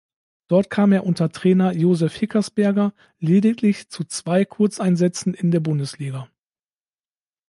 Dort kam er unter Trainer Josef Hickersberger lediglich zu zwei Kurzeinsätzen in der Bundesliga.